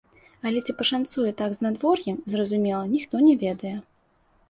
Але ці пашанцуе так з надвор'ем, зразумела, ніхто не ведае.